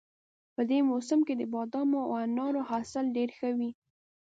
په دې موسم کې د بادامو او انارو حاصل ډېر ښه وي